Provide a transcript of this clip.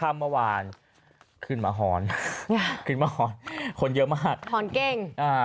เมื่อวานขึ้นมาหอนขึ้นมาหอนคนเยอะมากหอนเก้งอ่า